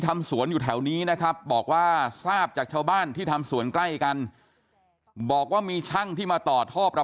ตั้งแต่กระดูกเชิงการจนถึงปลายเท้า